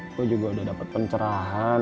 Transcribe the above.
gue juga udah dapet pencerahan